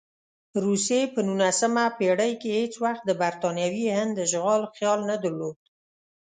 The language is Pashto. روسیې په نولسمه پېړۍ کې هېڅ وخت د برټانوي هند اشغال خیال نه درلود.